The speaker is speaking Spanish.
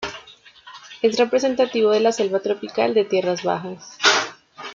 Es representativo de la selva tropical de tierras bajas.